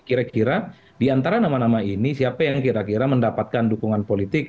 kira kira diantara nama nama ini siapa yang kira kira mendapatkan dukungan politik